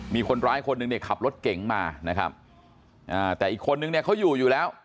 มีคนร้ายคนหนึ่งขับรถเก๋งมาแต่อีกคนหนึ่งเขาอยู่อยู่แล้ว